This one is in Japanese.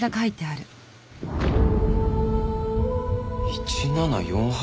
「１７４８」。